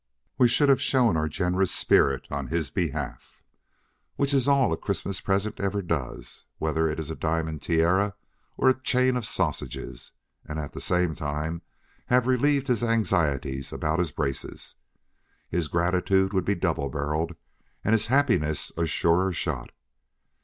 We should have shown our generous spirit on his behalf, which is all a Christmas present ever does, whether it is a diamond tiara or a chain of sausages, and at the same time have relieved his anxieties about his braces. His gratitude would be double barrelled, and his happiness a surer shot.